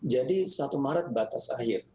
jadi satu maret batas akhir